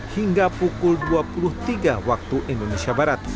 hingga pukul dua puluh tiga waktu indonesia barat